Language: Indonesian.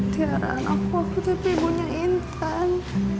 tiara anakku aku tapi ibunya intan